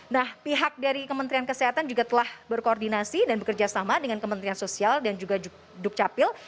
nah pihak dari kementerian kesehatan juga telah berkoordinasi dan bekerja sama dengan kementerian sosial dan juga duk capil